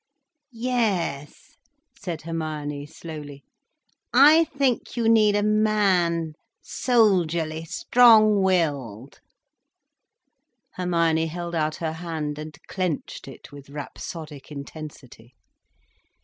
"Yes," said Hermione slowly—"I think you need a man—soldierly, strong willed—" Hermione held out her hand and clenched it with rhapsodic intensity.